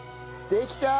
できた！